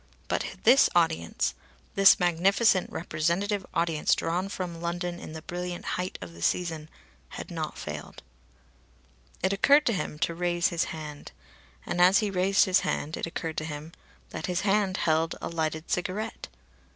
But this audience this magnificent representative audience drawn from London in the brilliant height of the season had not failed. It occurred to him to raise his hand. And as he raised his hand it occurred to him that his hand held a lighted cigarette.